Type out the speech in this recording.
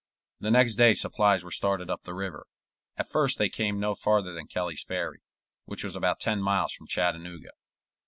The next day supplies were started up the river. At first they came no farther than Kelley's Ferry, which was about ten miles from Chattanooga.